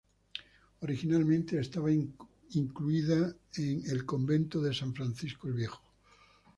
Originalmente estaba incluida en le Convento de San Francisco el Viejo.